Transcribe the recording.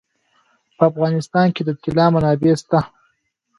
په افغانستان کې د طلا منابع شته.